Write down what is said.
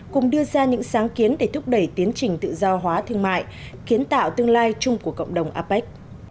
cùng đưa ra những sáng kiến để thúc đẩy tiến trình tự do hóa thương mại kiến tạo tương lai chung của cộng đồng apec